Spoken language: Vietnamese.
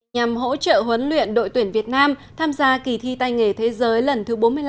nhằm hỗ trợ huấn luyện đội tuyển việt nam tham gia kỳ thi tay nghề thế giới lần thứ bốn mươi năm